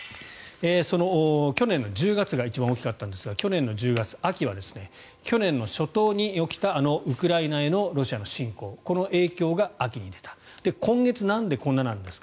去年の１２月が一番大きかったんですが去年の１０月、秋は去年の初頭に起きたあのウクライナへのロシアの侵攻の影響が秋に出た今月、なんでこんななんですか？